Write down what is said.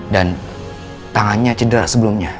dan tangannya cedera sebelumnya